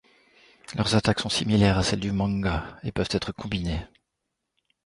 Leurs attaques sont similaires à celles du manga et peuvent être combinées.